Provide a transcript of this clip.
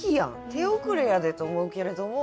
手遅れやでと思うけれども。